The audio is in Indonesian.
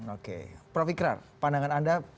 oke prof ikrar pandangan anda